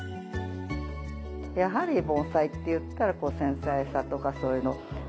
やはり盆栽っていったら繊細さとかそういうの。